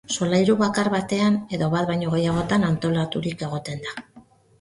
Solairu bakar batean edo bat baino gehiagotan antolaturik egoten da.